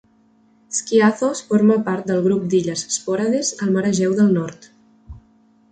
Skiathos forma part del grup d'illes Sporades al mar Egeu del Nord.